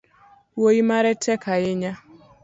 Wuoi mare tek ahinya